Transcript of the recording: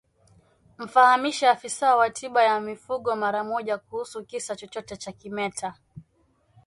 Mfahamishe afisa wa tiba ya mifugo mara moja kuhusu kisa chochote cha kimeta